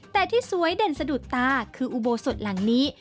แต่ที่สวยเด่นสะดุดตาคืออุโบสถหลังนี้